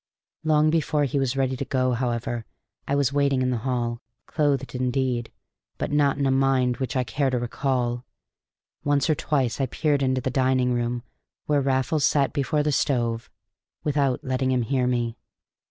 Long before he was ready to go, however, I was waiting in the hall, clothed indeed, but not in a mind which I care to recall. Once or twice I peered into the dining room where Raffles sat before the stove, without letting him hear me.